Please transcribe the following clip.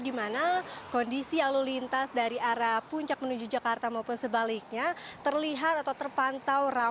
di mana kondisi lalu lintas dari arah puncak menuju jakarta maupun sebaliknya terlihat atau terpantau ramai